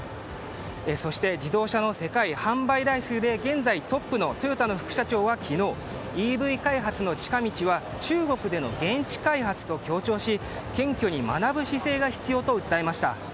そして、自動車の世界販売台数で現在トップのトヨタの副社長は昨日、ＥＶ開発の近道は中国での現地開発と強調し謙虚に学ぶ姿勢が必要と訴えました。